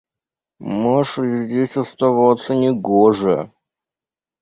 – Маше здесь оставаться не гоже.